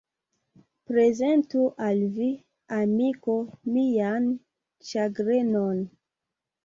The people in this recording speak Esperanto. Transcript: Prezentu al vi, amiko, mian ĉagrenon!